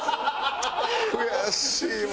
悔しいわ。